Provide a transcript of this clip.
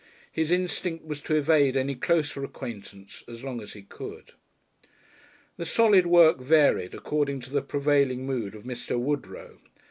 His instinct was to evade any closer acquaintance as long as he could. The school work varied, according to the prevailing mood of Mr. Woodrow.